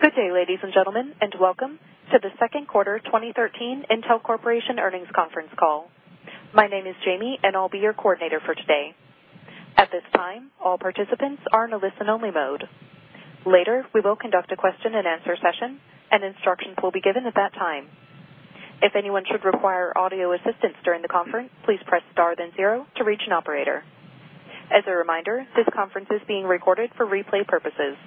Good day, ladies and gentlemen, welcome to the second quarter 2013 Intel Corporation earnings conference call. My name is Jamie, I'll be your coordinator for today. At this time, all participants are in a listen-only mode. Later, we will conduct a question-and-answer session, instructions will be given at that time. If anyone should require audio assistance during the conference, please press star then zero to reach an operator. As a reminder, this conference is being recorded for replay purposes.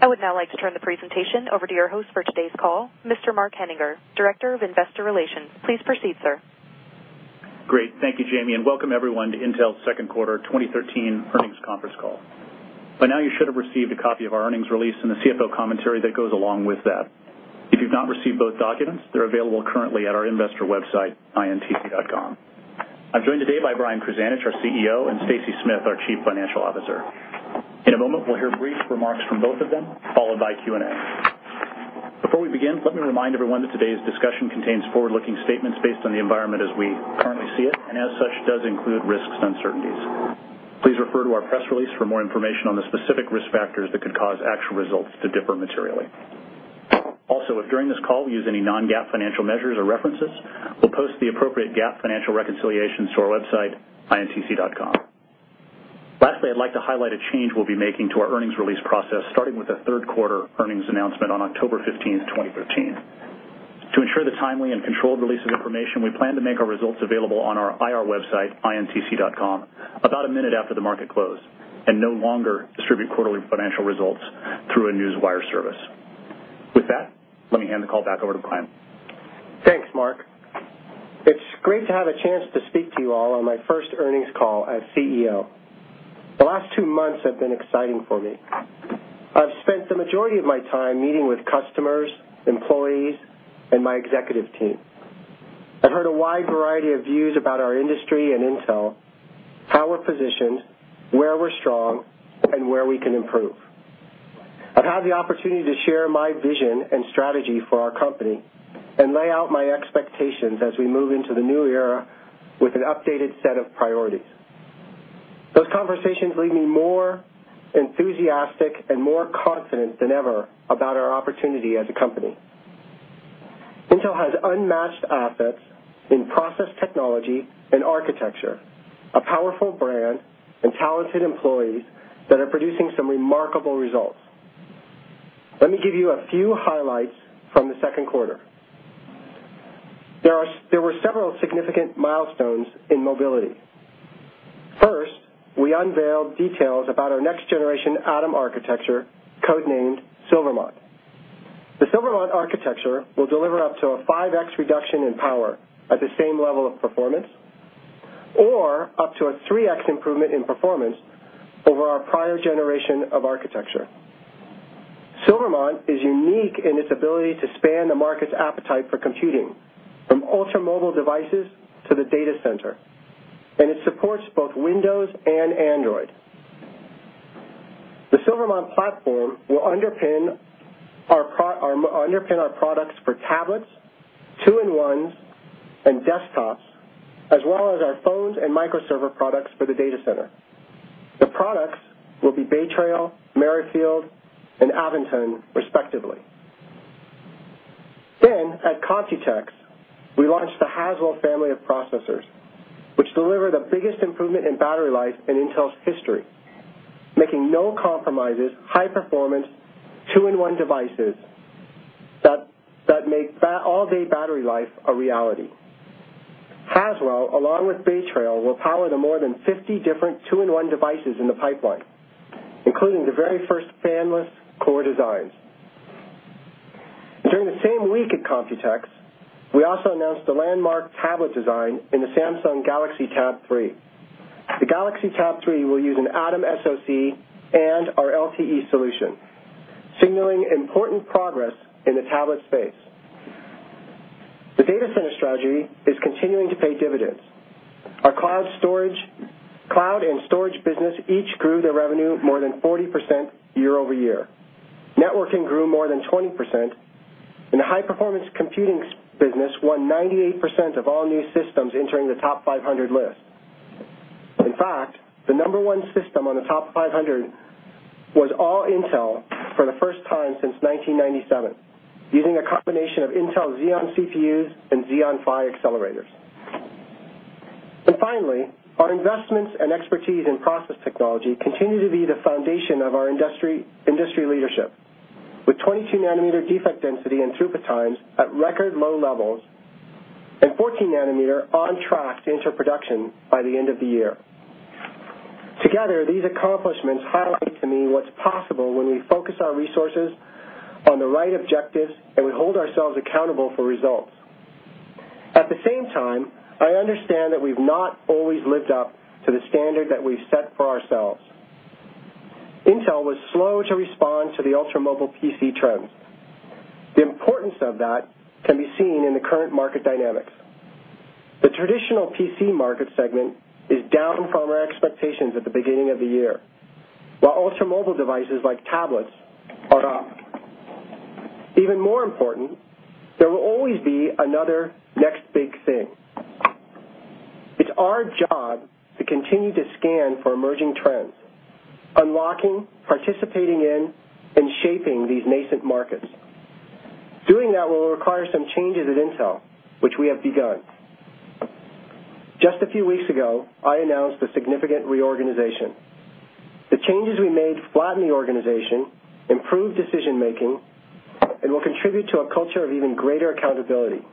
I would now like to turn the presentation over to your host for today's call, Mr. Mark Henninger, Director of Investor Relations. Please proceed, sir. Great. Thank you, Jamie, welcome everyone to Intel's second quarter 2013 earnings conference call. By now, you should have received a copy of our earnings release and the CFO commentary that goes along with that. If you've not received both documents, they're available currently at our investor website, intc.com. I'm joined today by Brian Krzanich, our CEO, and Stacy Smith, our Chief Financial Officer. In a moment, we'll hear brief remarks from both of them, followed by Q&A. Before we begin, let me remind everyone that today's discussion contains forward-looking statements based on the environment as we currently see it, and as such, does include risks and uncertainties. Please refer to our press release for more information on the specific risk factors that could cause actual results to differ materially. Also, if during this call we use any non-GAAP financial measures or references, we'll post the appropriate GAAP financial reconciliations to our website, intc.com. Lastly, I'd like to highlight a change we'll be making to our earnings release process, starting with the third quarter earnings announcement on October 15th, 2013. To ensure the timely and controlled release of information, we plan to make our results available on our IR website, intc.com, about a minute after the market close and no longer distribute quarterly financial results through a newswire service. With that, let me hand the call back over to Brian. Thanks, Mark. It's great to have a chance to speak to you all on my first earnings call as CEO. The last two months have been exciting for me. I've spent the majority of my time meeting with customers, employees, and my executive team. I've heard a wide variety of views about our industry and Intel, how we're positioned, where we're strong, and where we can improve. I've had the opportunity to share my vision and strategy for our company and lay out my expectations as we move into the new era with an updated set of priorities. Those conversations leave me more enthusiastic and more confident than ever about our opportunity as a company. Intel has unmatched assets in process technology and architecture, a powerful brand, and talented employees that are producing some remarkable results. Let me give you a few highlights from the second quarter. There were several significant milestones in mobility. First, we unveiled details about our next generation Atom architecture, codenamed Silvermont. The Silvermont architecture will deliver up to a 5x reduction in power at the same level of performance or up to a 3x improvement in performance over our prior generation of architecture. Silvermont is unique in its ability to span the market's appetite for computing, from ultra-mobile devices to the data center, and it supports both Windows and Android. The Silvermont platform will underpin our products for tablets, two-in-ones, and desktops, as well as our phones and micro server products for the data center. The products will be Bay Trail, Merrifield, and Avoton, respectively. At Computex, we launched the Haswell family of processors, which deliver the biggest improvement in battery life in Intel's history, making no compromises, high performance, two-in-one devices that make all-day battery life a reality. Haswell, along with Bay Trail, will power the more than 50 different two-in-one devices in the pipeline, including the very first fan-less Core designs. During the same week at Computex, we also announced a landmark tablet design in the Samsung Galaxy Tab 3. The Galaxy Tab 3 will use an Atom SoC and our LTE solution, signaling important progress in the tablet space. The data center strategy is continuing to pay dividends. Our cloud and storage business each grew their revenue more than 40% year-over-year. Networking grew more than 20%, and the high-performance computing business won 98% of all new systems entering the TOP500 list. In fact, the number 1 system on the TOP500 was all Intel for the first time since 1997, using a combination of Intel Xeon CPUs and Xeon Phi accelerators. Finally, our investments and expertise in process technology continue to be the foundation of our industry leadership. With 22 nanometer defect density and throughput times at record low levels and 14 nanometer on track to enter production by the end of the year. Together, these accomplishments highlight to me what's possible when we focus our resources on the right objectives, and we hold ourselves accountable for results. At the same time, I understand that we've not always lived up to the standard that we've set for ourselves. Intel was slow to respond to the ultra-mobile PC trends. The importance of that can be seen in the current market dynamics. The traditional PC market segment is down from our expectations at the beginning of the year, while ultra-mobile devices like tablets are up. Even more important, there will always be another next big thing. It's our job to continue to scan for emerging trends, unlocking, participating in, and shaping these nascent markets. Doing that will require some changes at Intel, which we have begun. Just a few weeks ago, I announced a significant reorganization. The changes we made flatten the organization, improve decision-making, and will contribute to a culture of even greater accountability.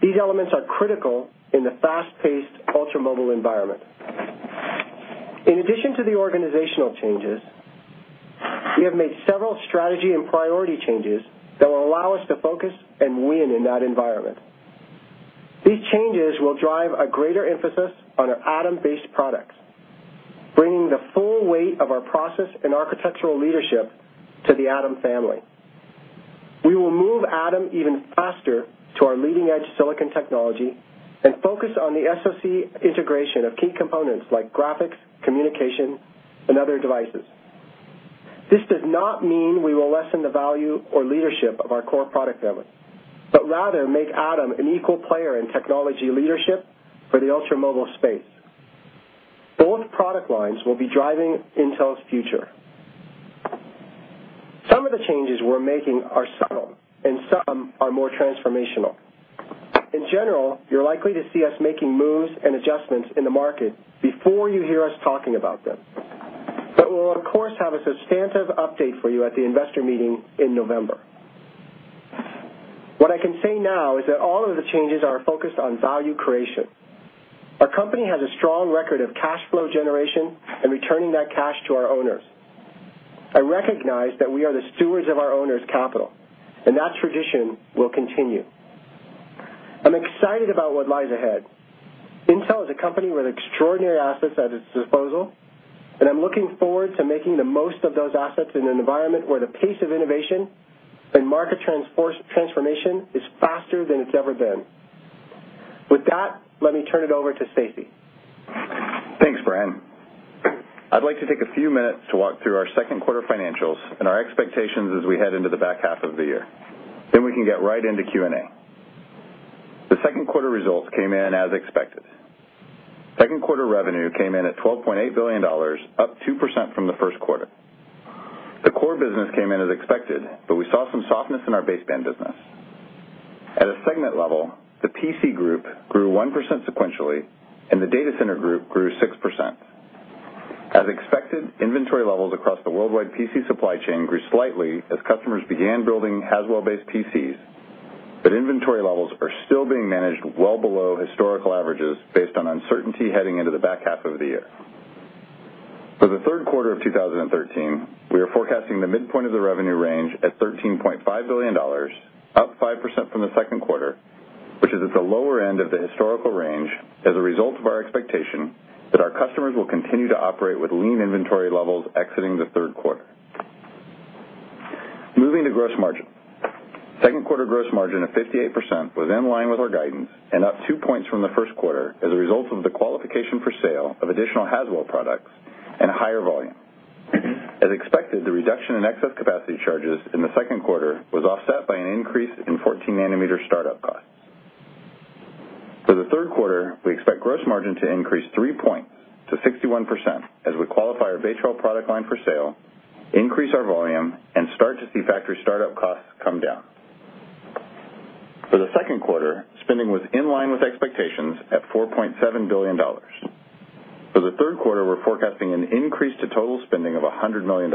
These elements are critical in the fast-paced, ultra-mobile environment. In addition to the organizational changes, we have made several strategy and priority changes that will allow us to focus and win in that environment. These changes will drive a greater emphasis on our Atom-based products, bringing the full weight of our process and architectural leadership to the Atom family. We will move Atom even faster to our leading-edge silicon technology and focus on the SoC integration of key components like graphics, communication, and other devices. This does not mean we will lessen the value or leadership of our Core product family, but rather make Atom an equal player in technology leadership for the ultra-mobile space. Both product lines will be driving Intel's future. Some of the changes we're making are subtle and some are more transformational. In general, you're likely to see us making moves and adjustments in the market before you hear us talking about them. We'll of course have a substantive update for you at the investor meeting in November. What I can say now is that all of the changes are focused on value creation. Our company has a strong record of cash flow generation and returning that cash to our owners. I recognize that we are the stewards of our owners' capital. That tradition will continue. I'm excited about what lies ahead. Intel is a company with extraordinary assets at its disposal. I'm looking forward to making the most of those assets in an environment where the pace of innovation and market transformation is faster than it's ever been. With that, let me turn it over to Stacy. Thanks, Brian. I'd like to take a few minutes to walk through our second quarter financials and our expectations as we head into the back half of the year. We can get right into Q&A. The second quarter results came in as expected. Second quarter revenue came in at $12.8 billion, up 2% from the first quarter. The core business came in as expected. We saw some softness in our baseband business. At a segment level, the PC group grew 1% sequentially, and the Data Center Group grew 6%. As expected, inventory levels across the worldwide PC supply chain grew slightly as customers began building Haswell-based PCs. Inventory levels are still being managed well below historical averages based on uncertainty heading into the back half of the year. For the third quarter of 2013, we are forecasting the midpoint of the revenue range at $13.5 billion, up 5% from the second quarter, which is at the lower end of the historical range as a result of our expectation that our customers will continue to operate with lean inventory levels exiting the third quarter. Moving to gross margin. Second quarter gross margin of 58% was in line with our guidance and up two points from the first quarter as a result of the qualification for sale of additional Haswell products and higher volume. As expected, the reduction in excess capacity charges in the second quarter was offset by an increase in 14-nanometer startup costs. For the third quarter, we expect gross margin to increase three points to 61% as we qualify our Bay Trail product line for sale, increase our volume, and start to see factory startup costs come down. For the second quarter, spending was in line with expectations at $4.7 billion. For the third quarter, we are forecasting an increase to total spending of $100 million.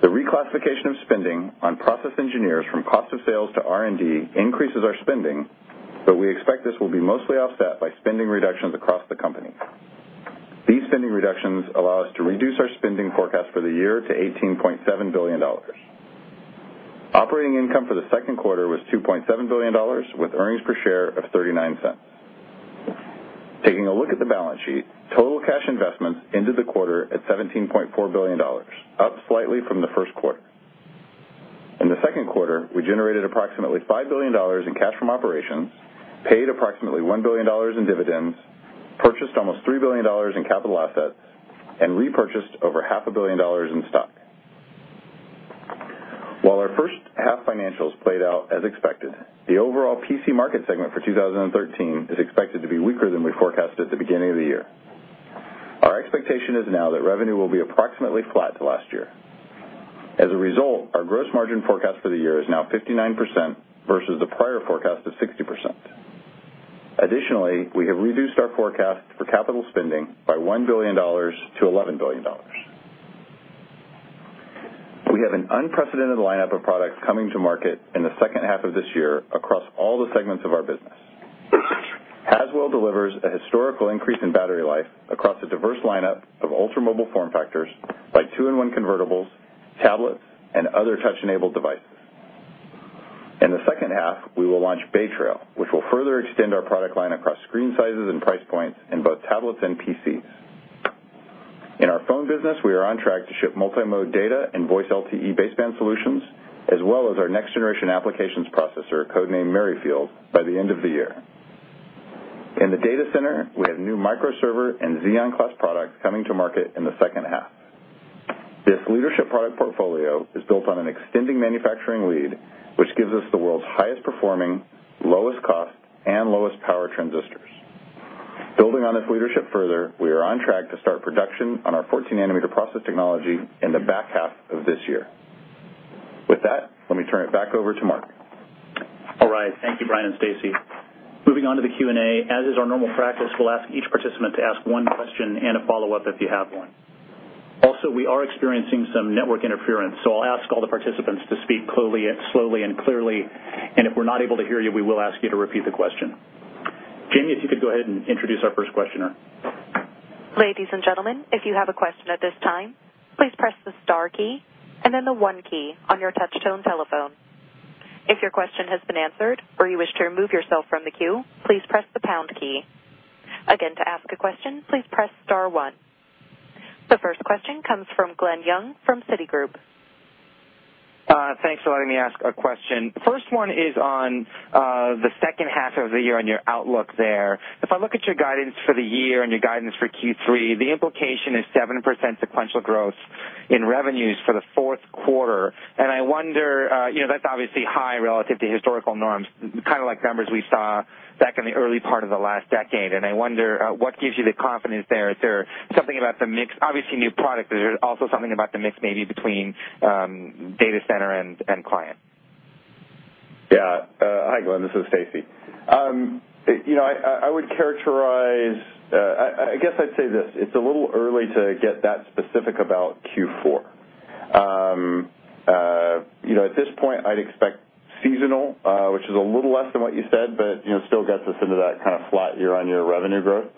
The reclassification of spending on process engineers from cost of sales to R&D increases our spending, but we expect this will be mostly offset by spending reductions across the company. These spending reductions allow us to reduce our spending forecast for the year to $18.7 billion. Operating income for the second quarter was $2.7 billion, with earnings per share of $0.39. Taking a look at the balance sheet, total cash investments into the quarter at $17.4 billion, up slightly from the first quarter. In the second quarter, we generated approximately $5 billion in cash from operations, paid approximately $1 billion in dividends, purchased almost $3 billion in capital assets, and repurchased over half a billion dollars in stock. While our first half financials played out as expected, the overall PC market segment for 2013 is expected to be weaker than we forecasted at the beginning of the year. Our expectation is now that revenue will be approximately flat to last year. As a result, our gross margin forecast for the year is now 59% versus the prior forecast of 60%. Additionally, we have reduced our forecast for capital spending by $1 billion to $11 billion. We have an unprecedented lineup of products coming to market in the second half of this year across all the segments of our business. Haswell delivers a historical increase in battery life across a diverse lineup of ultra-mobile form factors like two-in-one convertibles, tablets, and other touch-enabled devices. In the second half, we will launch Bay Trail, which will further extend our product line across screen sizes and price points in both tablets and PCs. In our phone business, we are on track to ship multi-mode data and voice LTE baseband solutions, as well as our next generation applications processor, code-named Merrifield, by the end of the year. In the data center, we have new micro server and Xeon-class products coming to market in the second half. This leadership product portfolio is built on an extending manufacturing lead, which gives us the world's highest performing, lowest cost, and lowest power transistors. Building on this leadership further, we are on track to start production on our 14-nanometer process technology in the back half of this year. With that, let me turn it back over to Mark. All right. Thank you, Brian and Stacy. Moving on to the Q&A. As is our normal practice, we'll ask each participant to ask one question and a follow-up if you have one. Also, we are experiencing some network interference, so I'll ask all the participants to speak slowly and clearly, and if we're not able to hear you, we will ask you to repeat the question. Jamie, if you could go ahead and introduce our first questioner. Ladies and gentlemen, if you have a question at this time, please press the star key and then the one key on your touch-tone telephone. If your question has been answered or you wish to remove yourself from the queue, please press the pound key. Again, to ask a question, please press star one. The first question comes from Glen Yeung from Citigroup. Thanks for letting me ask a question. First one is on the second half of the year on your outlook there. If I look at your guidance for the year and your guidance for Q3, the implication is 7% sequential growth in revenues for the fourth quarter, and I wonder, that's obviously high relative to historical norms, kind of like numbers we saw back in the early part of the last decade, and I wonder what gives you the confidence there. Is there something about the mix? Obviously, new product, but is there also something about the mix maybe between Data Center and client? Yeah. Hi, Glen, this is Stacy. I guess I'd say this, it's a little early to get that specific about Q4. At this point, I'd expect seasonal, which is a little less than what you said, but still gets us into that kind of flat year-on-year revenue growth.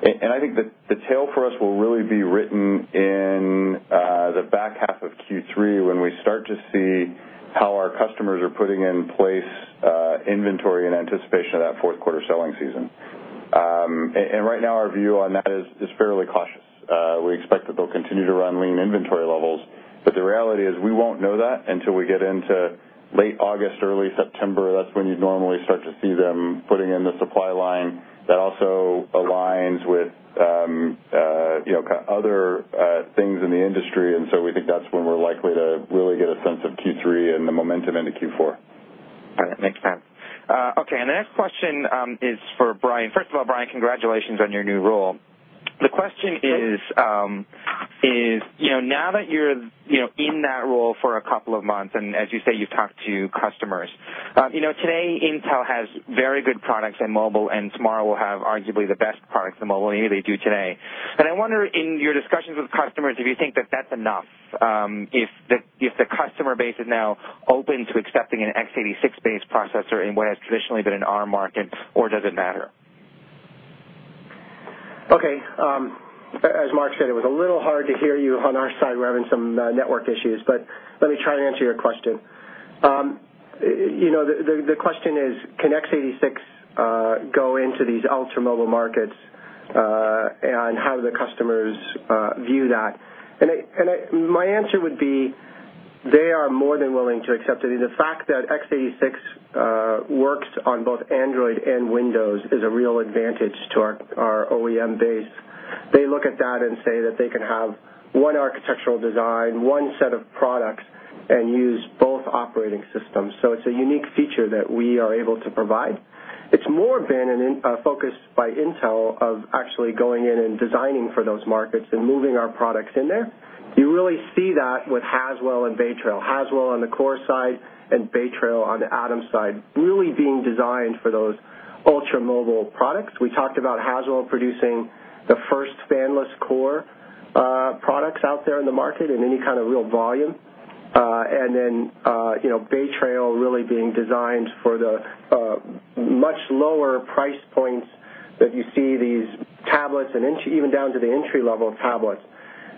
I think the tail for us will really be written in the back half of Q3 when we start to see how our customers are putting in place inventory in anticipation of that fourth quarter selling season. Right now, our view on that is fairly cautious. We expect that they'll continue to run lean inventory levels, but the reality is we won't know that until we get into late August, early September. That's when you'd normally start to see them putting in the supply line that also aligns with other things in the industry. We think that's when we're likely to really get a sense of Q3 and the momentum into Q4. All right. Makes sense. Okay, the next question is for Brian. First of all, Brian, congratulations on your new role. The question is, now that you're in that role for a couple of months, as you say, you've talked to customers. Today, Intel has very good products in mobile, tomorrow will have arguably the best products in mobile, anyway they do today. I wonder, in your discussions with customers, if you think that that's enough, if the customer base is now open to accepting an x86-based processor in what has traditionally been an Arm market, or does it matter? Okay. As Mark said, it was a little hard to hear you on our side. We're having some network issues. Let me try to answer your question. The question is, can x86 go into these ultra-mobile markets, how do the customers view that? My answer would be, they are more than willing to accept it, the fact that x86 works on both Android and Windows is a real advantage to our OEM base. They look at that and say that they can have one architectural design, one set of products, and use both operating systems. It's a unique feature that we are able to provide. It's more been a focus by Intel of actually going in and designing for those markets and moving our products in there. You really see that with Haswell and Bay Trail, Haswell on the Core side and Bay Trail on the Atom side, really being designed for those ultra-mobile products. We talked about Haswell producing the first fanless Core products out there in the market in any kind of real volume. Bay Trail really being designed for the much lower price points that you see these tablets, even down to the entry-level tablets.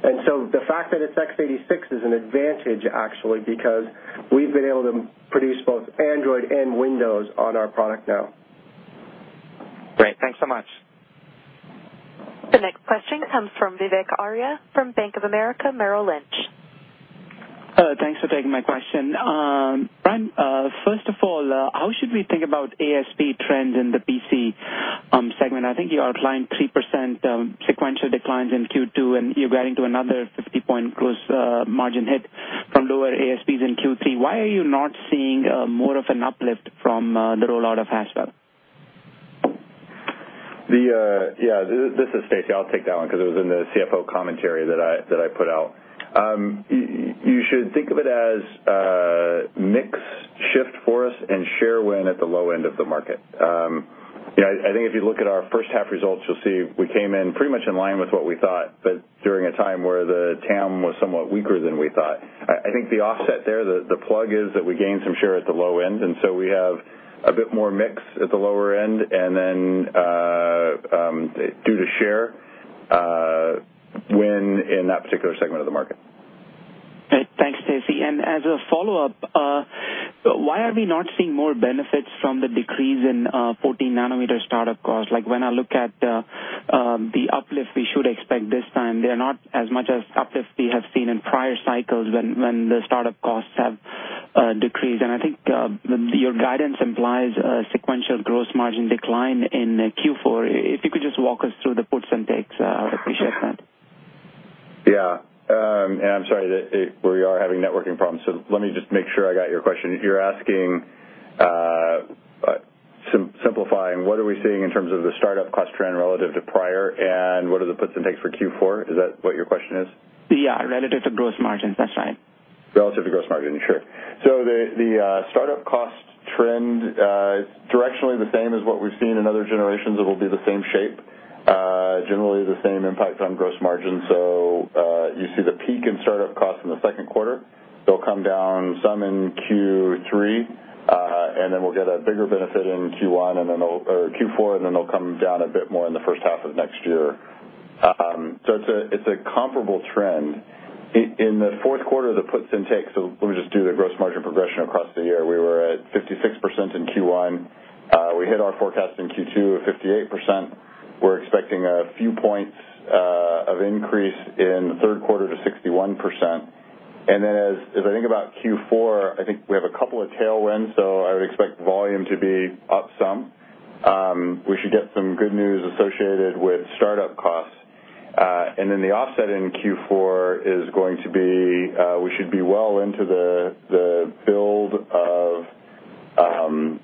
The fact that it's x86 is an advantage, actually, because we've been able to produce both Android and Windows on our product now. Great. Thanks so much. The next question comes from Vivek Arya from Bank of America Merrill Lynch. Thanks for taking my question. Brian, first of all, how should we think about ASP trends in the PC segment? I think you are declining 3% sequential declines in Q2, and you're guiding to another 50 point gross margin hit from lower ASPs in Q3. Why are you not seeing more of an uplift from the rollout of Haswell? Yeah. This is Stacy. I'll take that one because it was in the CFO commentary that I put out. You should think of it as a mix shift for us and share win at the low end of the market. I think if you look at our first half results, you'll see we came in pretty much in line with what we thought, but during a time where the TAM was somewhat weaker than we thought. I think the offset there, the plug is that we gained some share at the low end, and so we have a bit more mix at the lower end, and then due to share win in that particular segment of the market. Great. Thanks, Stacy. As a follow-up, why are we not seeing more benefits from the decrease in 14-nanometer startup costs? Like when I look at the uplift we should expect this time, they're not as much as uplift we have seen in prior cycles when the startup costs have decrease. I think your guidance implies a sequential gross margin decline in Q4. If you could just walk us through the puts and takes, I would appreciate that. Yeah. I'm sorry, we are having networking problems. Let me just make sure I got your question. You're asking, simplifying, what are we seeing in terms of the startup cost trend relative to prior, and what are the puts and takes for Q4? Is that what your question is? Yeah, relative to gross margins. That's right. Relative to gross margin. Sure. The startup cost trend, it's directionally the same as what we've seen in other generations. It will be the same shape. Generally the same impact on gross margin. You see the peak in startup costs in the second quarter. They'll come down some in Q3, then we'll get a bigger benefit in Q4, then they'll come down a bit more in the first half of next year. It's a comparable trend. In the fourth quarter, the puts and takes, let me just do the gross margin progression across the year. We were at 56% in Q1. We hit our forecast in Q2 of 58%. We're expecting a few points of increase in the third quarter to 61%. As I think about Q4, I think we have a couple of tailwinds, I would expect volume to be up some. We should get some good news associated with startup costs. The offset in Q4 is going to be, we should be well into the build of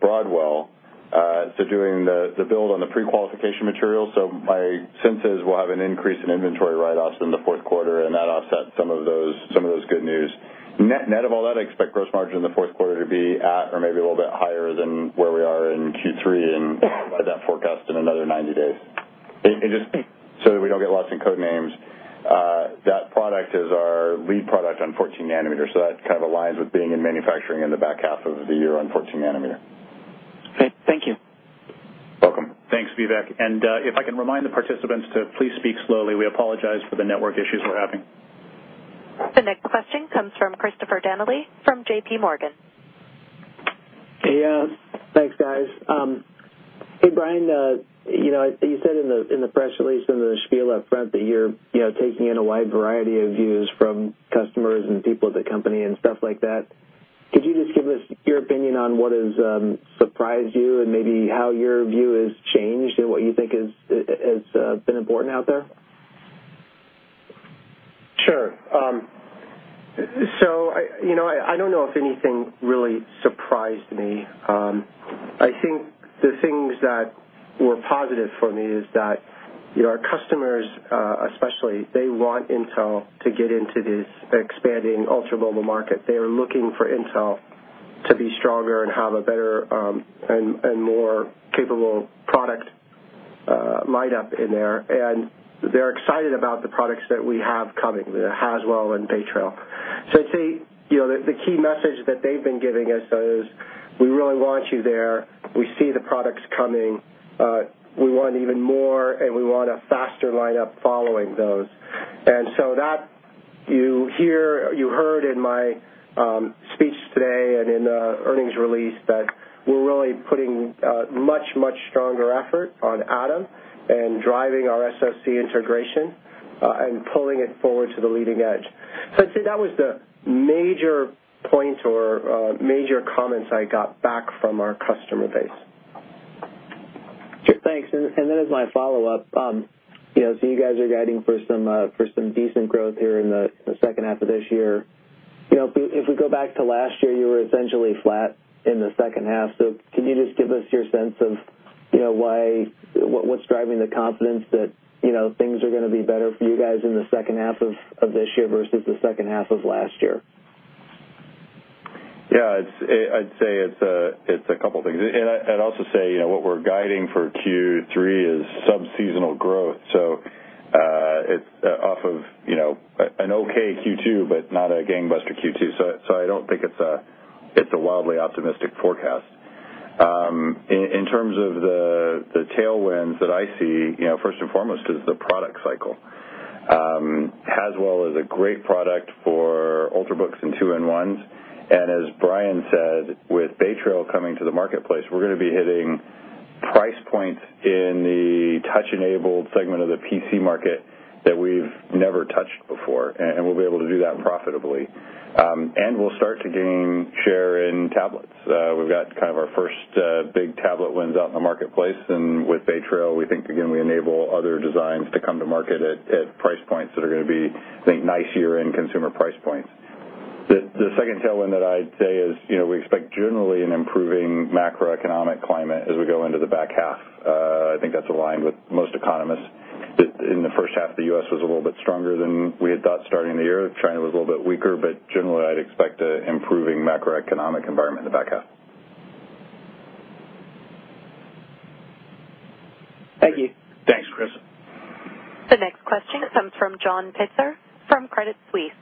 Broadwell, doing the build on the pre-qualification material. My sense is we'll have an increase in inventory write-offs in the fourth quarter, that'll offset some of those good news. Net of all that, I expect gross margin in the fourth quarter to be at or maybe a little bit higher than where we are in Q3, and we'll provide that forecast in another 90 days. Just so that we don't get lost in code names, that product is our lead product on 14 nanometer, that kind of aligns with being in manufacturing in the back half of the year on 14 nanometer. Okay. Thank you. Welcome. Thanks, Vivek. If I can remind the participants to please speak slowly, we apologize for the network issues we're having. The next question comes from Christopher Danely from J.P. Morgan. Thanks, guys. Hey, Brian, you said in the press release and the spiel up front that you're taking in a wide variety of views from customers and people at the company and stuff like that. Could you just give us your opinion on what has surprised you and maybe how your view has changed and what you think has been important out there? Sure. I don't know if anything really surprised me. I think the things that were positive for me is that our customers, especially, they want Intel to get into this expanding ultra-mobile market. They are looking for Intel to be stronger and have a better and more capable product line up in there, and they're excited about the products that we have coming, the Haswell and Bay Trail. I'd say, the key message that they've been giving us is, "We really want you there. We see the products coming. We want even more, and we want a faster line up following those." That you heard in my speech today and in the earnings release that we're really putting a much, much stronger effort on Atom and driving our SoC integration, and pulling it forward to the leading edge. I'd say that was the major point or major comments I got back from our customer base. Sure. Thanks. As my follow-up, you guys are guiding for some decent growth here in the second half of this year. If we go back to last year, you were essentially flat in the second half, can you just give us your sense of what's driving the confidence that things are going to be better for you guys in the second half of this year, versus the second half of last year? I'd say it's a couple things. I'd also say, what we're guiding for Q3 is sub-seasonal growth, it's off of an okay Q2, not a gangbuster Q2. I don't think it's a wildly optimistic forecast. In terms of the tailwinds that I see, first and foremost is the product cycle. Haswell is a great product for Ultrabooks and two-in-ones, as Brian said, with Bay Trail coming to the marketplace, we're going to be hitting price points in the touch-enabled segment of the PC market that we've never touched before. We'll be able to do that profitably. We'll start to gain share in tablets. We've got our first big tablet wins out in the marketplace, with Bay Trail, we think, again, we enable other designs to come to market at price points that are going to be, I think, nice year-end consumer price points. The second tailwind that I'd say is, we expect generally an improving macroeconomic climate as we go into the back half. I think that's aligned with most economists. In the first half, the U.S. was a little bit stronger than we had thought starting the year. China was a little bit weaker, generally I'd expect a improving macroeconomic environment in the back half. Thank you. Thanks, Chris. The next question comes from John Pitzer from Credit Suisse.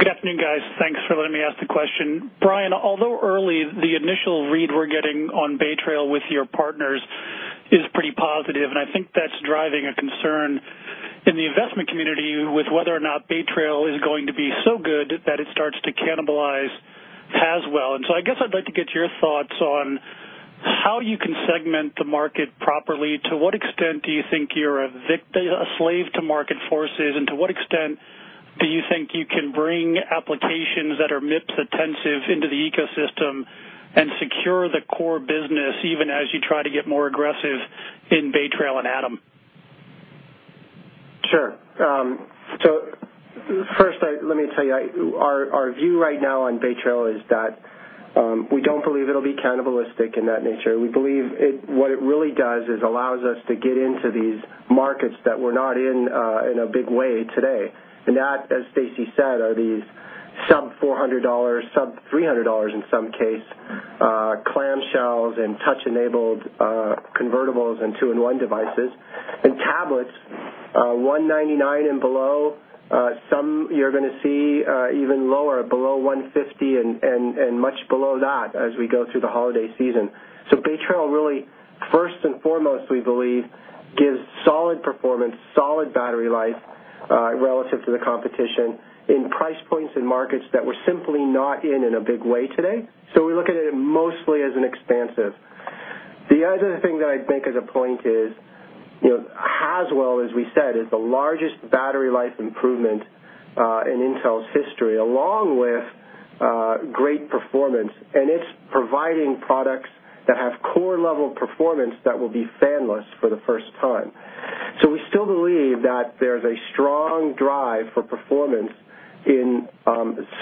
Good afternoon, guys. Thanks for letting me ask the question. Brian, although early, the initial read we're getting on Bay Trail with your partners is pretty positive, and I think that's driving a concern in the investment community with whether or not Bay Trail is going to be so good that it starts to cannibalize as well. I guess I'd like to get your thoughts on how you can segment the market properly. To what extent do you think you're a slave to market forces, and to what extent do you think you can bring applications that are MIPS-attentive into the ecosystem and secure the core business, even as you try to get more aggressive in Bay Trail and Atom? Sure. First, let me tell you, our view right now on Bay Trail is that we don't believe it'll be cannibalistic in that nature. We believe what it really does is allows us to get into these markets that we're not in a big way today. That, as Stacy said, are these sub-$400, sub-$300 in some case, clamshells and touch-enabled convertibles and two-in-one devices. Tablets, $199 and below. Some you're going to see even lower, below $150 and much below that as we go through the holiday season. Bay Trail really, first and foremost, we believe, gives solid performance, solid battery life, relative to the competition, in price points and markets that we're simply not in in a big way today. We're looking at it mostly as an expansive. The other thing that I'd make as a point is, Haswell, as we said, is the largest battery life improvement in Intel's history, along with great performance. It's providing products that have Core-level performance that will be fanless for the first time. We still believe that there's a strong drive for performance in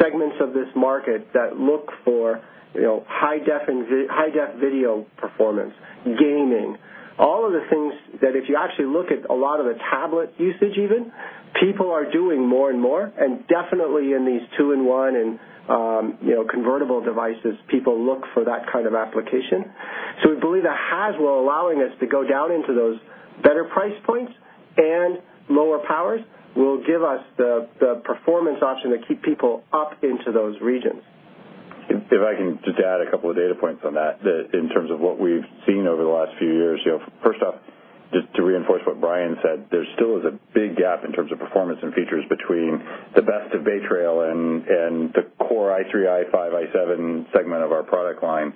segments of this market that look for high-def video performance, gaming, all of the things that if you actually look at a lot of the tablet usage even, people are doing more and more, and definitely in these two-in-one and convertible devices, people look for that kind of application. We believe that Haswell allowing us to go down into those better price points and lower powers will give us the performance option to keep people up into those regions. If I can just add a couple of data points on that, in terms of what we've seen over the last three years. First off, just to reinforce what Brian said, there still is a big gap in terms of performance and features between the best of Bay Trail and the Core i3, i5, i7 segment of our product line.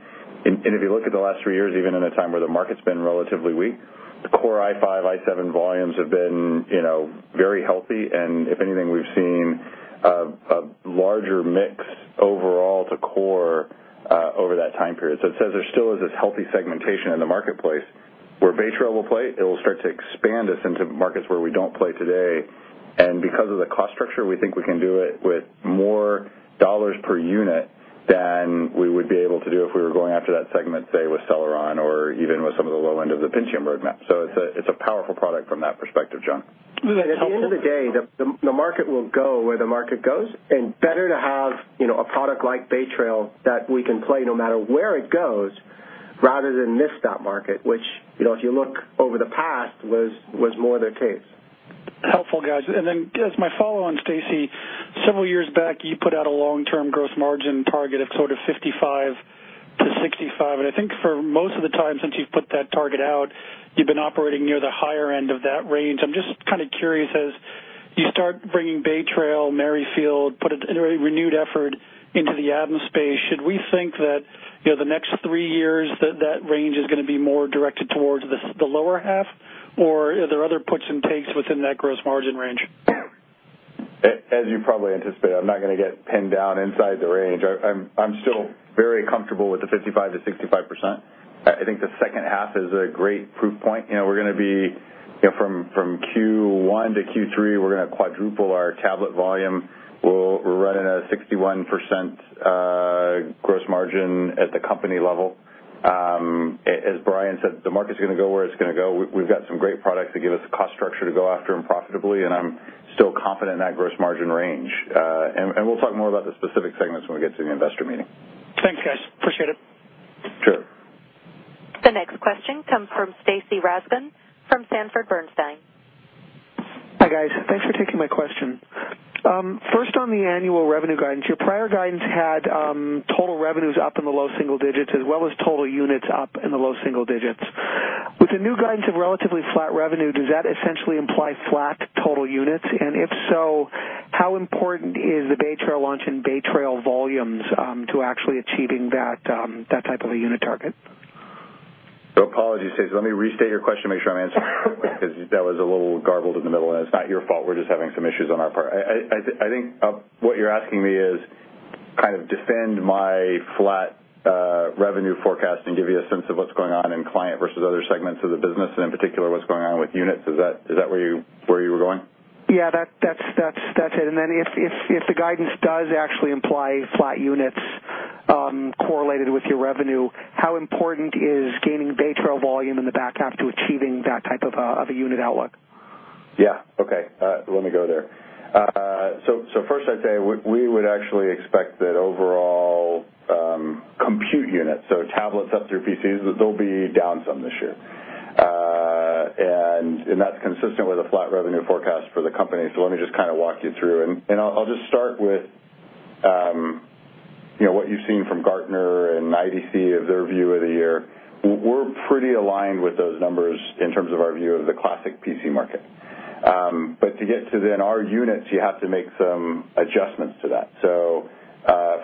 If you look at the last three years, even in a time where the market's been relatively weak, the Core i5, i7 volumes have been very healthy. If anything, we've seen a larger mix overall to Core, over that time period. It says there still is this healthy segmentation in the marketplace where Bay Trail will play, it will start to expand us into markets where we don't play today. Because of the cost structure, we think we can do it with more dollars per unit than we would be able to do if we were going after that segment, say, with Celeron or even with some of the low end of the Pentium roadmap. It's a powerful product from that perspective, John. Better to have a product like Bay Trail that we can play no matter where it goes, rather than miss that market, which, if you look over the past, was more the case. Helpful, guys. As my follow on, Stacy, several years back, you put out a long-term gross margin target of sort of 55%-65%, I think for most of the time since you've put that target out, you've been operating near the higher end of that range. I'm just kind of curious, as you start bringing Bay Trail, Merrifield, put a renewed effort into the Atom space, should we think that the next 3 years, that range is going to be more directed towards the lower half, or are there other puts and takes within that gross margin range? As you probably anticipate, I'm not going to get pinned down inside the range. I'm still very comfortable with the 55%-65%. I think the second half is a great proof point. From Q1 to Q3, we're going to quadruple our tablet volume. We're running a 61% gross margin at the company level. As Brian said, the market's going to go where it's going to go. We've got some great products that give us cost structure to go after and profitably, I'm still confident in that gross margin range. We'll talk more about the specific segments when we get to the investor meeting. Thanks, guys. Appreciate it. Sure. The next question comes from Stacy Rasgon from Sanford Bernstein. Hi, guys. Thanks for taking my question. First, on the annual revenue guidance, your prior guidance had total revenues up in the low single digits as well as total units up in the low single digits. With the new guidance of relatively flat revenue, does that essentially imply flat total units? If so, how important is the Bay Trail launch and Bay Trail volumes, to actually achieving that type of a unit target? Apologies, Stacy, let me restate your question, make sure I'm answering correctly, because that was a little garbled in the middle, and it's not your fault. We're just having some issues on our part. I think what you're asking me is kind of defend my flat revenue forecast and give you a sense of what's going on in client versus other segments of the business, and in particular, what's going on with units. Is that where you were going? Yeah, that's it. Then if the guidance does actually imply flat units correlated with your revenue, how important is gaining Bay Trail volume in the back half to achieving that type of a unit outlook? Yeah. Okay. Let me go there. First I'd say, we would actually expect that overall compute units, so tablets up through PCs, they'll be down some this year. That's consistent with a flat revenue forecast for the company. Let me just kind of walk you through and I'll just start with what you've seen from Gartner and IDC of their view of the year. We're pretty aligned with those numbers in terms of our view of the classic PC market. To get to then our units, you have to make some adjustments to that.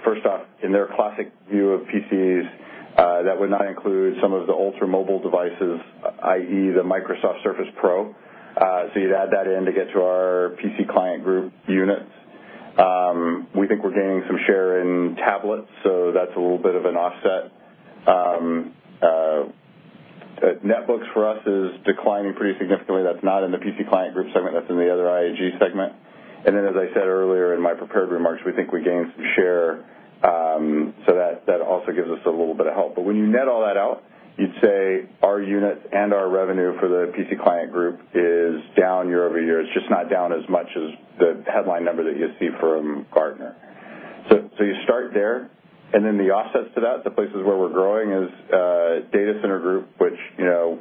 First off, in their classic view of PCs, that would not include some of the ultra-mobile devices, i.e. the Microsoft Surface Pro. You'd add that in to get to our PC Client Group units. We think we're gaining some share in tablets, so that's a little bit of an offset. Netbooks for us is declining pretty significantly. That's not in the PC Client Group segment, that's in the other IAG segment. Then, as I said earlier in my prepared remarks, we think we gained some share, so that also gives us a little bit of help. When you net all that out, you'd say our units and our revenue for the PC Client Group is down year-over-year. It's just not down as much as the headline number that you see from Gartner. You start there, and then the offsets to that, the places where we're growing, is Data Center Group, which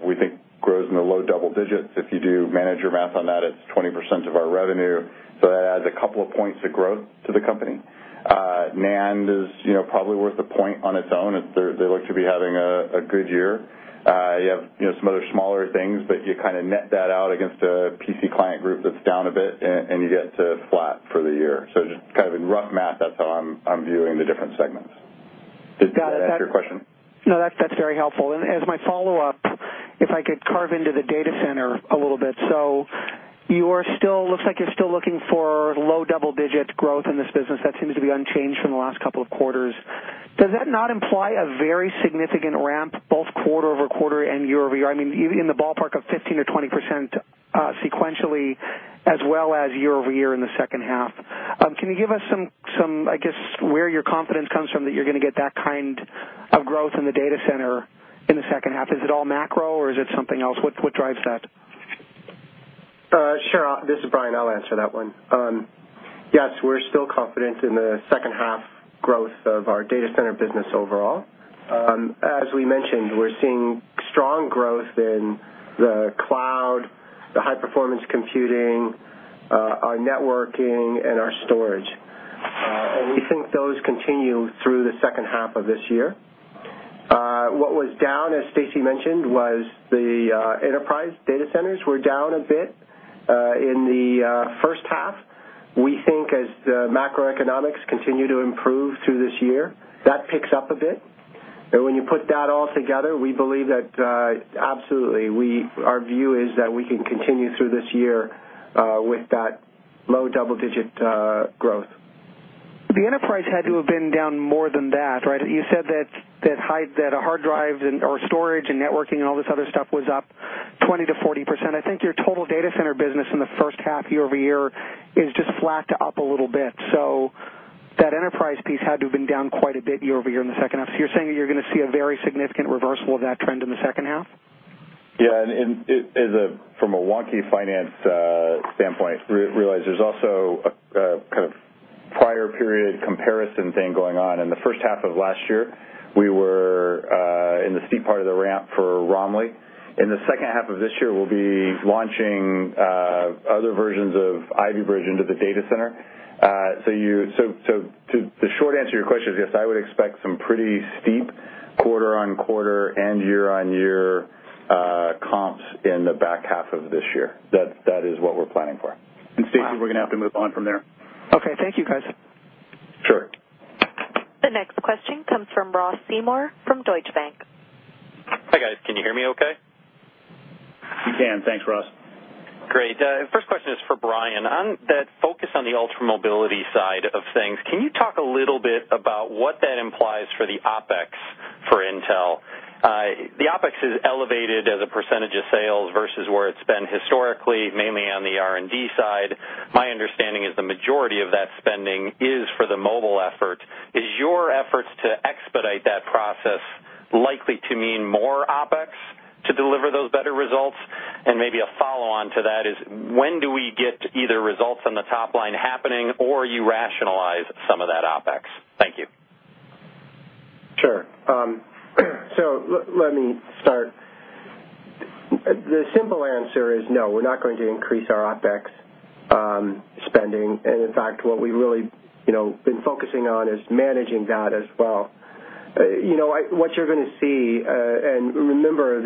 we think grows in the low double digits. If you do manage your math on that, it's 20% of our revenue. That adds a couple of points of growth to the company. NAND is probably worth a point on its own. They look to be having a good year. You have some other smaller things, but you net that out against a PC Client Group that's down a bit, and you get to flat for the year. Just kind of in rough math, that's how I'm viewing the different segments. Got it. Did that answer your question? No, that's very helpful. As my follow-up, if I could carve into the data center a little bit. Looks like you're still looking for low double-digit growth in this business. That seems to be unchanged from the last couple of quarters. Does that not imply a very significant ramp, both quarter-over-quarter and year-over-year? In the ballpark of 15%-20% sequentially, as well as year-over-year in the second half. Can you give us some, I guess, where your confidence comes from that you're going to get that kind of growth in the data center in the second half? Is it all macro or is it something else? What drives that? Sure. This is Brian. I'll answer that one. Yes, we're still confident in the second half growth of our data center business overall. As we mentioned, we're seeing strong growth in the cloud, the high-performance computing, our networking, and our storage. We think those continue through the second half of this year. What was down, as Stacy mentioned, was the enterprise data centers were down a bit in the first half. We think as the macroeconomics continue to improve through this year, that picks up a bit. When you put that all together, we believe that absolutely, our view is that we can continue through this year with that low double-digit growth. The enterprise had to have been down more than that, right? You said that a hard drive or storage and networking, and all this other stuff was up 20%-40%. I think your total data center business in the first half year-over-year is just flat to up a little bit. That enterprise piece had to have been down quite a bit year-over-year in the second half. You're saying that you're going to see a very significant reversal of that trend in the second half? From a wonky finance standpoint, realize there's also a kind of prior period comparison thing going on. In the first half of last year, we were in the steep part of the ramp for Romley. In the second half of this year, we'll be launching other versions of Ivy Bridge into the data center. The short answer to your question is yes, I would expect some pretty steep quarter-on-quarter and year-on-year comps in the back half of this year. That is what we're planning for. Stacy, we're going to have to move on from there. Okay. Thank you, guys. Sure. The next question comes from Ross Seymore from Deutsche Bank. Hi, guys. Can you hear me okay? We can. Thanks, Ross. Great. First question is for Brian. On that focus on the ultra-mobility side of things, can you talk a little bit about what that implies for the OpEx for Intel? The OpEx is elevated as a percentage of sales versus where it's been historically, mainly on the R&D side. My understanding is the majority of that spending is for the mobile effort. Is your efforts to expedite that process likely to mean more OpEx to deliver those better results? Maybe a follow-on to that is, when do we get either results on the top line happening or you rationalize some of that OpEx? Thank you. Sure. Let me start. The simple answer is no, we're not going to increase our OpEx spending. In fact, what we've really been focusing on is managing that as well. What you're going to see, remember,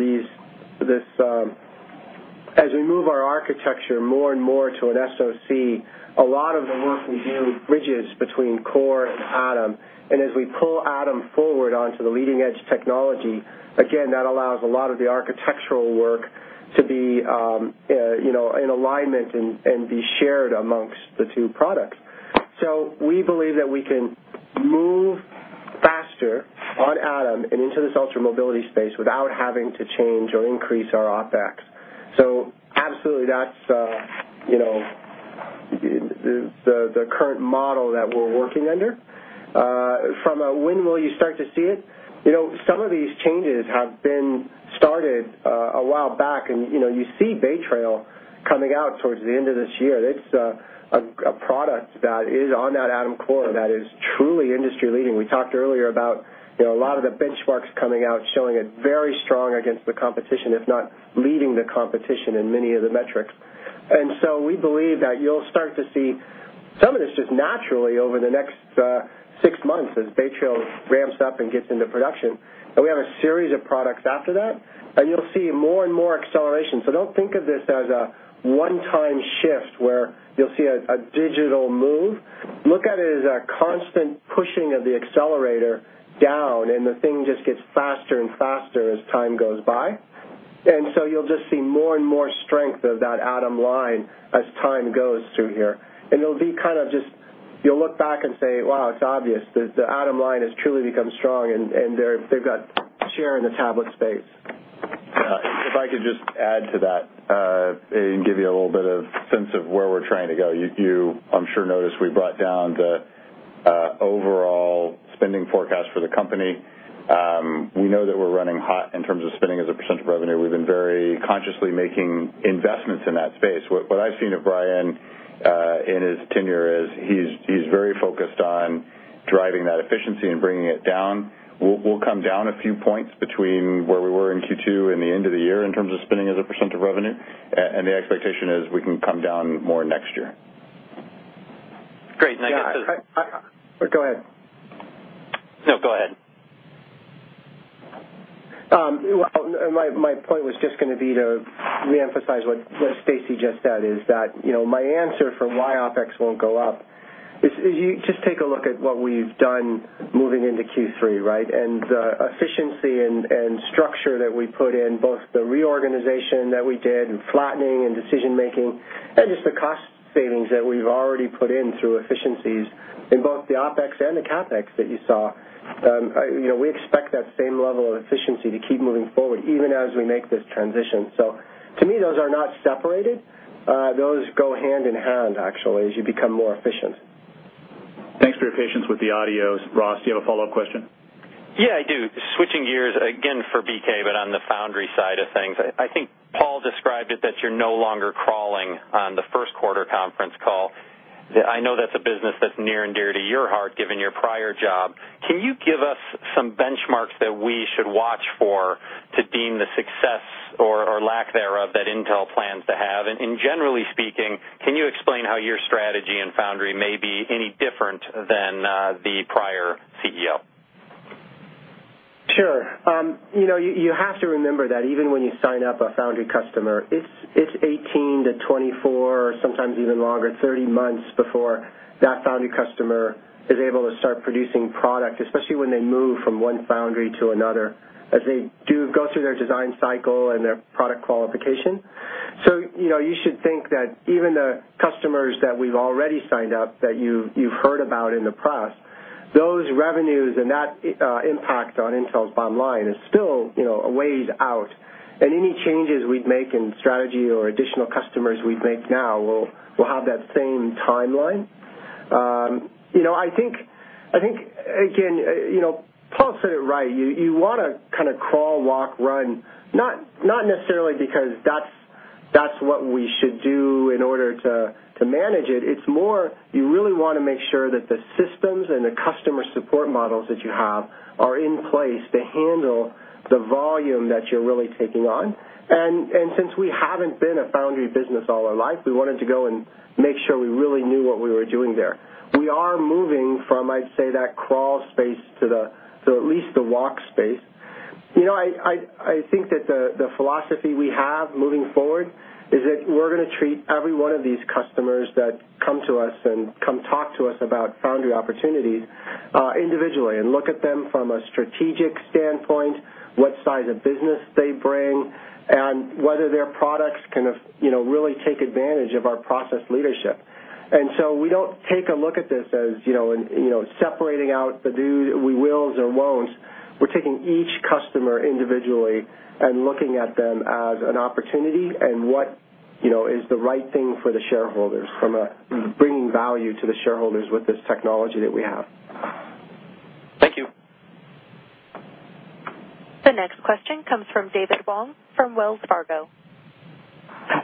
as we move our architecture more and more to an SoC, a lot of the work we do bridges between Core and Atom. As we pull Atom forward onto the leading-edge technology, again, that allows a lot of the architectural work to be in alignment and be shared amongst the two products. We believe that we can move faster on Atom and into this ultra-mobility space without having to change or increase our OpEx. Absolutely, that's the current model that we're working under. From a when will you start to see it? Some of these changes have been started a while back, you see Bay Trail coming out towards the end of this year. That's a product that is on that Atom Core that is truly industry-leading. We talked earlier about a lot of the benchmarks coming out showing it very strong against the competition, if not leading the competition in many of the metrics. We believe that you'll start to see some of this just naturally over the next six months as Bay Trail ramps up and gets into production. We have a series of products after that, you'll see more and more acceleration. Don't think of this as a one-time shift where you'll see a digital move. Look at it as a constant pushing of the accelerator down, the thing just gets faster and faster as time goes by. You'll just see more and more strength of that Atom line as time goes through here. You'll look back and say, "Wow, it's obvious. The Atom line has truly become strong, and they've got share in the tablet space. If I could just add to that, and give you a little bit of sense of where we're trying to go. You, I'm sure, noticed we brought down the overall spending forecast for the company. We know that we're running hot in terms of spending as a % of revenue. We've been very consciously making investments in that space. What I've seen of Brian in his tenure is he's very focused on driving that efficiency and bringing it down. We'll come down a few points between where we were in Q2 and the end of the year in terms of spending as a % of revenue. The expectation is we can come down more next year. Great. Yeah. Go ahead. No, go ahead. Well, my point was just going to be to reemphasize what Stacy just said, is that my answer for why OpEx won't go up is, just take a look at what we've done moving into Q3, right? The efficiency and structure that we put in, both the reorganization that we did and flattening and decision-making, and just the cost savings that we've already put in through efficiencies in both the OpEx and the CapEx that you saw. We expect that same level of efficiency to keep moving forward, even as we make this transition. To me, those are not separated. Those go hand in hand, actually, as you become more efficient. Thanks for your patience with the audio. Ross, do you have a follow-up question? Yeah, I do. Switching gears again for BK, but on the foundry side of things. I think Paul described it that you're no longer crawling on the first quarter conference call. I know that's a business that's near and dear to your heart, given your prior job. Can you give us some benchmarks that we should watch for to deem the success or lack thereof that Intel plans to have? Generally speaking, can you explain how your strategy in foundry may be any different than the prior CEO? Sure. You have to remember that even when you sign up a foundry customer, it's 18 to 24, sometimes even longer, 30 months before that foundry customer is able to start producing product, especially when they move from one foundry to another, as they do go through their design cycle and their product qualification. You should think that even the customers that we've already signed up, that you've heard about in the press, those revenues and that impact on Intel's bottom line is still a ways out. Any changes we'd make in strategy or additional customers we'd make now will have that same timeline. I think, again, Paul said it right. You want to kind of crawl, walk, run, not necessarily because that's what we should do in order to manage it. It's more, you really want to make sure that the systems and the customer support models that you have are in place to handle the volume that you're really taking on. Since we haven't been a foundry business all our life, we wanted to go and make sure we really knew what we were doing there. We are moving from, I'd say, that crawl space to at least the walk space. I think that the philosophy we have moving forward is that we're going to treat every one of these customers that come to us and come talk to us about foundry opportunities individually, and look at them from a strategic standpoint, what size of business they bring, and whether their products can really take advantage of our process leadership. We don't take a look at this as separating out the do we wills or won'ts. We're taking each customer individually and looking at them as an opportunity and what is the right thing for the shareholders from bringing value to the shareholders with this technology that we have. Thank you. The next question comes from David Wong from Wells Fargo.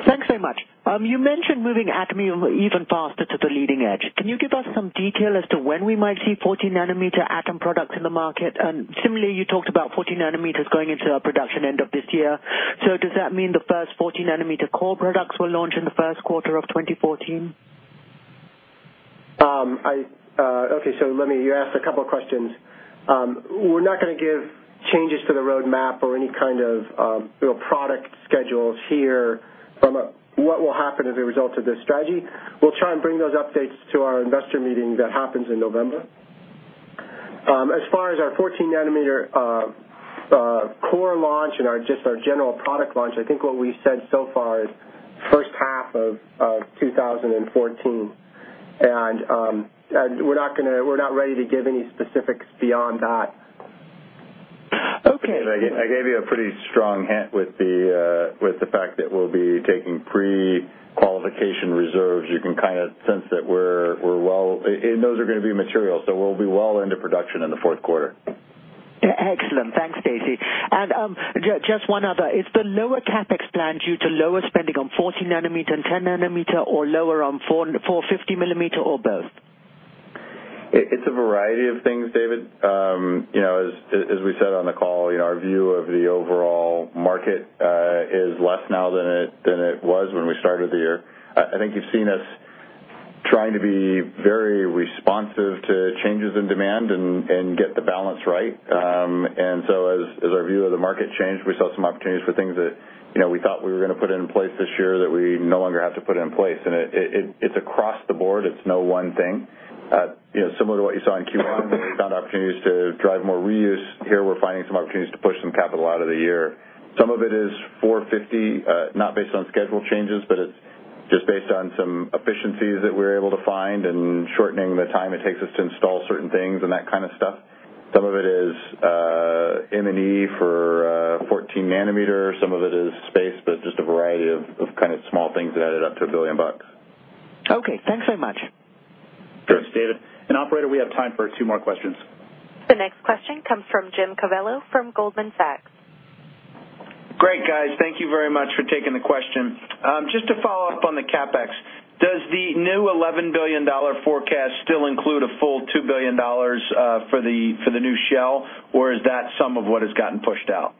Thanks very much. You mentioned moving Atom even faster to the leading edge. Can you give us some detail as to when we might see 14 nanometer Atom products in the market? Similarly, you talked about 14 nanometers going into production end of this year. Does that mean the first 14 nanometer Core products will launch in the first quarter of 2014? Okay. You asked a couple of questions. We're not going to give changes to the roadmap or any kind of product schedules here from a what will happen as a result of this strategy. We'll try and bring those updates to our investor meeting that happens in November. As far as our 14 nanometer Core launch and just our general product launch, I think what we said so far is first half of 2014. We're not ready to give any specifics beyond that. Okay. I gave you a pretty strong hint with the fact that we'll be taking pre-qualification reserves. You can sense that those are going to be material, so we'll be well into production in the fourth quarter. Excellent. Thanks, Stacy. Just one other. Is the lower CapEx plan due to lower spending on 14 nanometer and 10 nanometer, or lower on 450 millimeter, or both? It's a variety of things, David. As we said on the call, our view of the overall market is less now than it was when we started the year. I think you've seen us trying to be very responsive to changes in demand and get the balance right. As our view of the market changed, we saw some opportunities for things that we thought we were going to put in place this year that we no longer have to put in place. It's across the board. It's no one thing. Similar to what you saw in Q1, where we found opportunities to drive more reuse, here we're finding some opportunities to push some capital out of the year. Some of it is 450, not based on schedule changes, it's just based on some efficiencies that we're able to find and shortening the time it takes us to install certain things and that kind of stuff. Some of it is M&E for 14 nanometer, some of it is space, just a variety of kind of small things that added up to $1 billion. Okay. Thanks very much. Sure. Thanks, David. Operator, we have time for two more questions. The next question comes from James Covello from Goldman Sachs. Great, guys. Thank you very much for taking the question. Just to follow up on the CapEx, does the new $11 billion forecast still include a full $2 billion for the new shell, or is that some of what has gotten pushed out?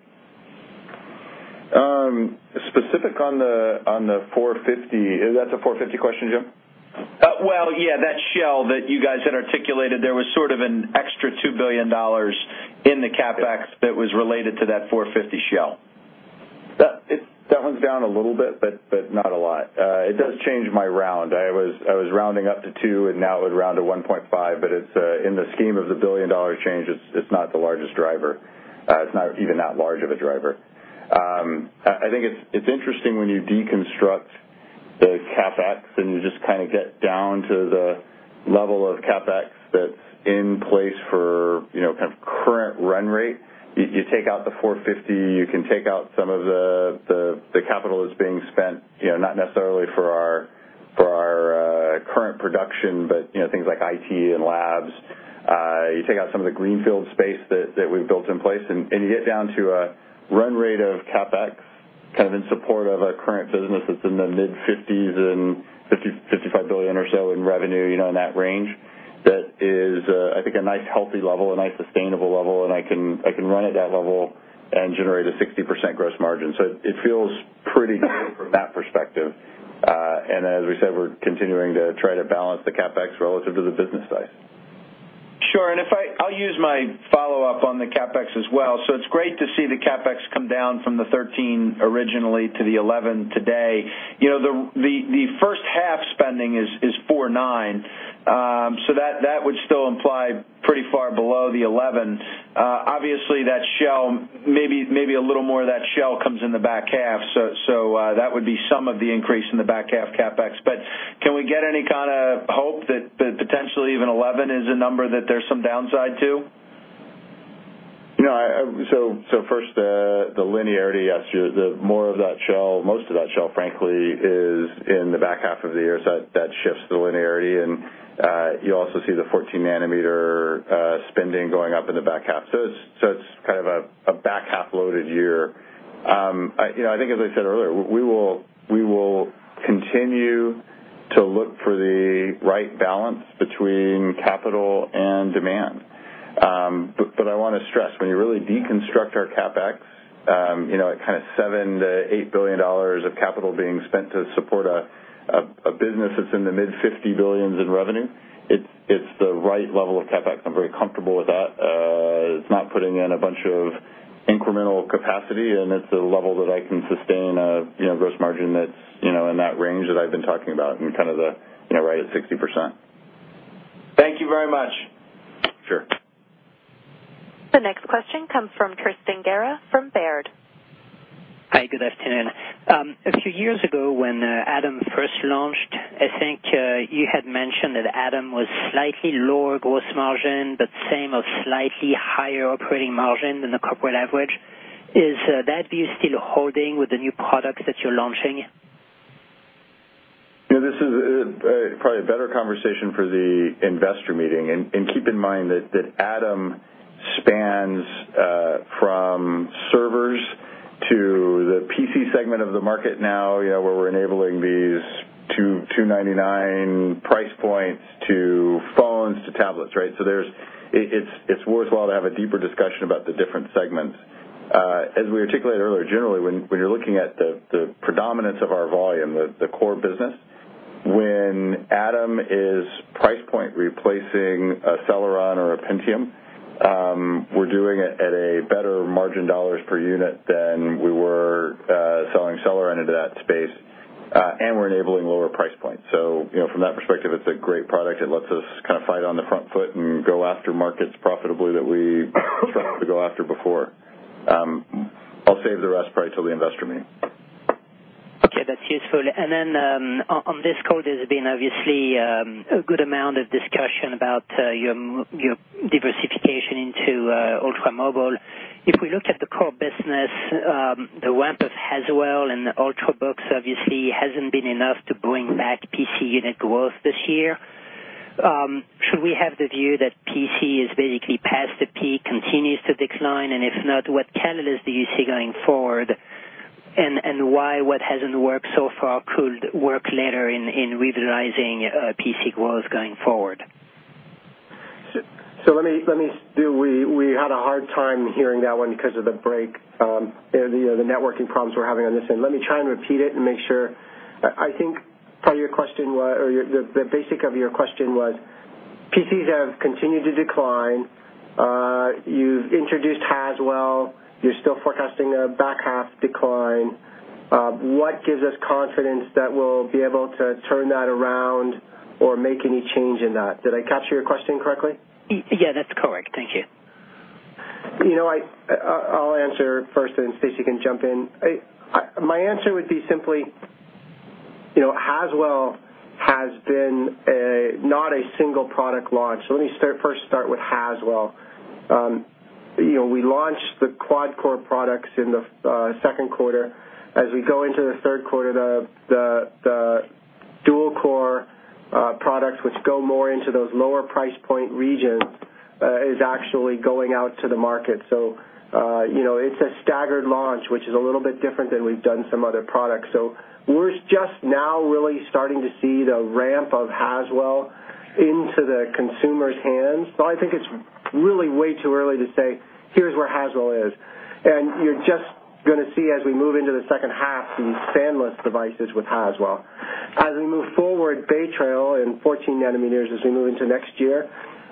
Specific on the 450. That's a 450 question, Jim? Well, yeah, that shell that you guys had articulated, there was sort of an extra $2 billion in the CapEx that was related to that 450 shell. That one's down a little bit, but not a lot. It does change my round. I was rounding up to two, and now it would round to 1.5. In the scheme of the billion-dollar change, it's not the largest driver. It's not even that large of a driver. I think it's interesting when you deconstruct the CapEx and you just kind of get down to the level of CapEx that's in place for kind of current run rate. You take out the 450, you can take out some of the capital that's being spent, not necessarily for our current production, but things like IT and labs. You take out some of the greenfield space that we've built in place, you get down to a run rate of CapEx, kind of in support of our current business that's in the mid-50s and $50 billion-$55 billion or so in revenue, in that range. That is, I think, a nice healthy level, a nice sustainable level, I can run at that level and generate a 60% gross margin. It feels pretty good from that perspective. As we said, we're continuing to try to balance the CapEx relative to the business size. Sure. I'll use my follow-up on the CapEx as well. It's great to see the CapEx come down from the $13 billion originally to the $11 billion today. The first half spending is $49 billion, that would still imply pretty far below the $11 billion. Obviously, maybe a little more of that shell comes in the back half, that would be some of the increase in the back half CapEx. Can we get any kind of hope that potentially even $11 billion is a number that there's some downside to? First, the linearity, yes, more of that shell, most of that shell, frankly, is in the back half of the year. That shifts the linearity, and you also see the 14 nanometer spending going up in the back half. It's kind of a back-half-loaded year. I think, as I said earlier, we will continue to look for the right balance between capital and demand. I want to stress, when you really deconstruct our CapEx, at kind of $7 billion-$8 billion of capital being spent to support a business that's in the mid-$50 billion in revenue, it's the right level of CapEx. I'm very comfortable with that. It's not putting in a bunch of incremental capacity, and it's a level that I can sustain a gross margin that's in that range that I've been talking about and kind of right at 60%. Thank you very much. Sure. The next question comes from Tristan Gerra from Baird. Hi, good afternoon. A few years ago when Atom first launched, I think you had mentioned that Atom was slightly lower gross margin, but same or slightly higher operating margin than the corporate average. Is that view still holding with the new products that you're launching? This is probably a better conversation for the investor meeting. Keep in mind that Atom spans from servers to the PC segment of the market now, where we're enabling these 299 price points to phones, to tablets, right? It's worthwhile to have a deeper discussion about the different segments. As we articulated earlier, generally, when you're looking at the predominance of our volume, the core business, when Atom is price point replacing a Celeron or a Pentium, we're doing it at a better margin $ per unit than we were selling Celeron into that space. We're enabling lower price points. From that perspective, it's a great product. It lets us kind of fight on the front foot and go after markets profitably that we struggled to go after before. I'll save the rest probably till the investor meeting. Okay. That's useful. On this call, there's been obviously a good amount of discussion about your diversification into ultra-mobile. If we look at the core business, the ramp of Haswell and the Ultrabooks obviously hasn't been enough to bring back PC unit growth this year. Should we have the view that PC is basically past the peak, continues to decline, and if not, what catalyst do you see going forward? Why what hasn't worked so far could work later in revitalizing PC growth going forward? Let me see. We had a hard time hearing that one because of the break, the networking problems we're having on this end. Let me try and repeat it and make sure. I think the basic of your question was, PCs have continued to decline. You've introduced Haswell. You're still forecasting a back half decline. What gives us confidence that we'll be able to turn that around or make any change in that? Did I capture your question correctly? Yeah, that's correct. Thank you. I'll answer first, then Stacy can jump in. My answer would be simply, Haswell has been not a single product launch. Let me first start with Haswell. We launched the quad-core products in the second quarter. As we go into the third quarter, the dual-core products, which go more into those lower price point regions, is actually going out to the market. It's a staggered launch, which is a little bit different than we've done some other products. We're just now really starting to see the ramp of Haswell into the consumer's hands. I think it's really way too early to say, "Here's where Haswell is." You're just going to see as we move into the second half, these fanless devices with Haswell. As we move forward, Bay Trail and 14 nanometers as we move into next year,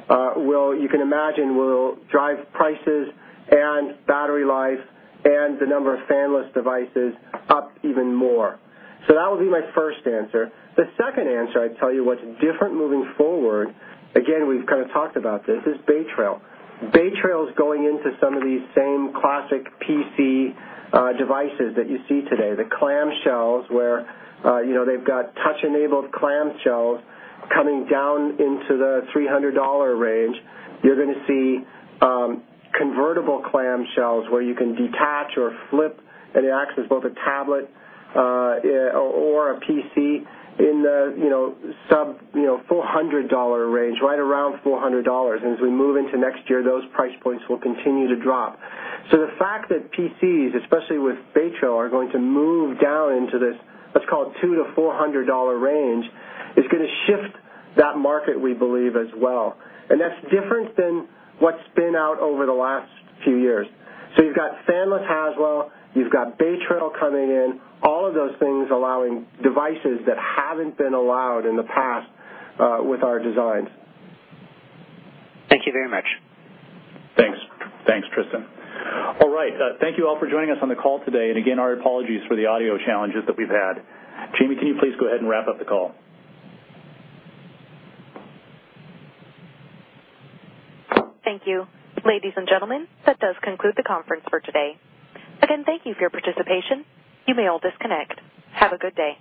you can imagine will drive prices and battery life and the number of fanless devices up even more. That would be my first answer. The second answer I'd tell you what's different moving forward, again, we've kind of talked about this, is Bay Trail. Bay Trail is going into some of these same classic PC devices that you see today. The clamshells where they've got touch-enabled clamshells coming down into the $300 range. You're going to see convertible clamshells where you can detach or flip, and it acts as both a tablet or a PC in the sub-$400 range, right around $400. As we move into next year, those price points will continue to drop. The fact that PCs, especially with Bay Trail, are going to move down into this, let's call it $200-$400 range, is going to shift that market, we believe, as well. That's different than what's been out over the last few years. You've got fanless Haswell, you've got Bay Trail coming in, all of those things allowing devices that haven't been allowed in the past with our designs. Thank you very much. Thanks, Tristan. All right. Thank you all for joining us on the call today. Again, our apologies for the audio challenges that we've had. Jamie, can you please go ahead and wrap up the call? Thank you. Ladies and gentlemen, that does conclude the conference for today. Again, thank you for your participation. You may all disconnect. Have a good day.